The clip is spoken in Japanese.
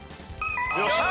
よっしゃ！